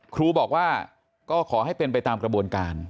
ครูบอกว่าก็ขอให้เป็นไปตามกระบวนการ